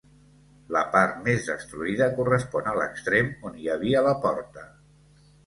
La part més destruïda correspon a l'extrem on hi havia la porta.